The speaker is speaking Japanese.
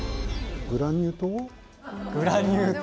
グラニュー糖？